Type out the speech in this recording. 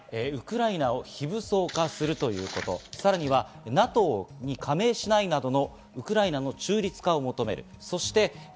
ウクライナを非武装化するということ、さらにＮＡＴＯに加盟しないなどのウクライナの中立化を求める。